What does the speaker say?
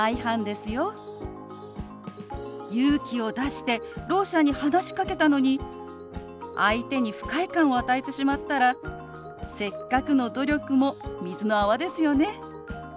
勇気を出してろう者に話しかけたのに相手に不快感を与えてしまったらせっかくの努力も水の泡ですよね。